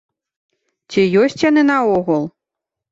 Ці ёсць яны наогул?